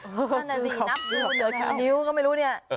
นั่นน่ะสินับนิ้วเหลือกี่นิ้วก็ไม่รู้เนี่ย